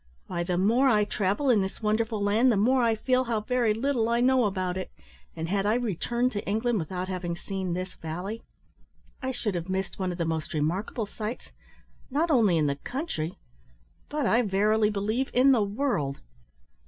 Why, the more I travel in this wonderful land the more I feel how very little I know about it; and had I returned to England without having seen this valley, I should have missed one of the most remarkable sights, not only in the country, but, I verily believe, in the world.